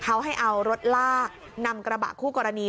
เขาให้เอารถลากนำกระบะคู่กรณี